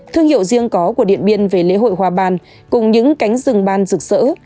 thương hiệu riêng có của điện biên về lễ hội hoa ban cùng những cánh rừng ban rực rỡ